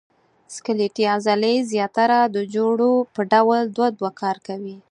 سکلیټي عضلې زیاتره د جوړو په ډول دوه دوه کار کوي.